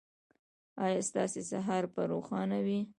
ایا ستاسو سهار به روښانه وي؟